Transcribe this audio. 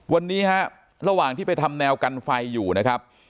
วันนี้ฮะระหว่างที่ไปทำแนวกันไฟอยู่นะครับ